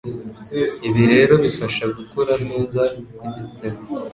ibi rero bifasha gukura neza kw'igitsina.